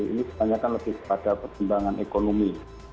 ini sepertinya kan lebih kepada persembangan ekonomi